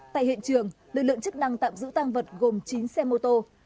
tại hiện trường lực lượng chức năng tạm giữ tăng vật gồm chín xe mô tô